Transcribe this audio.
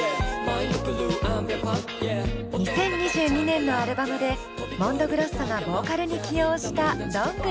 ２０２２年のアルバムでＭＯＮＤＯＧＲＯＳＳＯがボーカルに起用したどんぐりず。